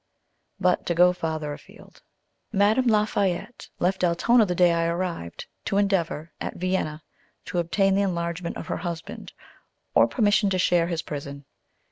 But to go farther afield. Madame la Fayette left Altona the day I arrived, to endeavour, at Vienna, to obtain the enlargement of her husband, or permission to share his prison.